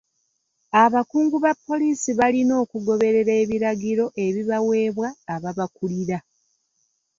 Abakungu ba poliisi balina okugoberera ebiragiro ebibaweebwa ababakulira.